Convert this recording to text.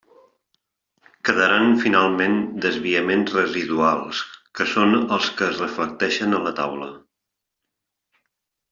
Quedaran finalment desviaments residuals, que són els que es reflecteixen a la taula.